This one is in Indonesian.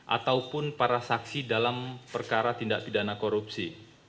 ataupun para saksi dalam perkara tindak pidana korupsi